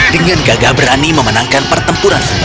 dengan gaga berani memenangkan pertempuran ini